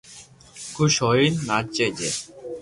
خوس ھوئين ناچي جي